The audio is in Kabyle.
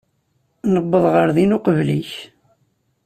Nuweḍ ɣer din uqbel-ik.